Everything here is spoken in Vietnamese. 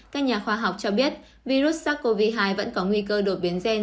các nhà khoa học cho biết virus sars cov hai vẫn có nguy cơ đột biến gen